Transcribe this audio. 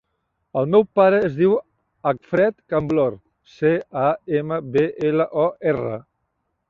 El meu pare es diu Acfred Camblor: ce, a, ema, be, ela, o, erra.